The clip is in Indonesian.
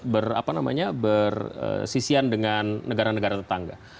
bersisian dengan negara negara tetangga